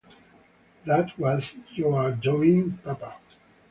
That was your doing, papa.